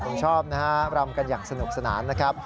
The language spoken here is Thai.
ผมชอบนะฮะรำกันอย่างสนุกสนานนะครับ